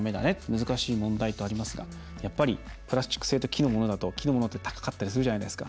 難しい問題となりますがやっぱり、プラスチック製と木のものって高かったりするじゃないですか。